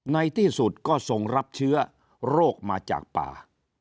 ในที่สุดก็ทรงรับเชื้อโรคมาจากป่า